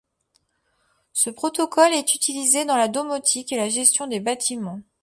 Ce protocole est utilisé dans la domotique et la gestion des bâtiments.